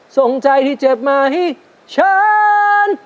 ส่งใจที่เจ็บมาให้ฉัน